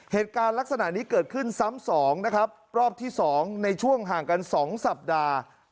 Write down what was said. เหตุการณ์ลักษณะนี้เกิดขึ้นซ้ำสองนะครับรอบที่๒ในช่วงห่างกันสองสัปดาห์